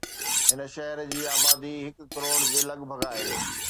هن شهر جي آبادي هڪ ڪروڙ جي لڳ ڀڳ آهي